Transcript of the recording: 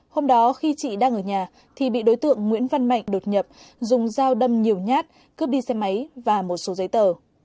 hôm đó khi chị đang ở nhà thì bị đối tượng nguyễn văn mạnh đột nhập dùng dao đâm nhiều nhát cướp đi xe máy và một số giấy tờ